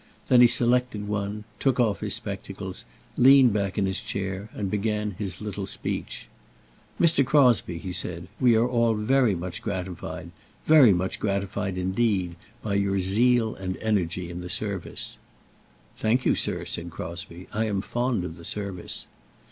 Then he selected one, took off his spectacles, leaned back in his chair, and began his little speech. "Mr. Crosbie," he said, "we are all very much gratified, very much gratified, indeed, by your zeal and energy in the service." "Thank you, sir," said Crosbie; "I am fond of the service."